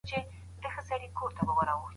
په تجارانو کي د احتکار تصور پیدا شو.